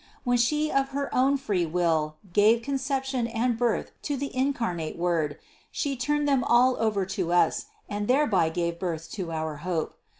When She of her own free will gave conception and birth to the incarnate Word She turned them all over to us and thereby gave birth to our hope.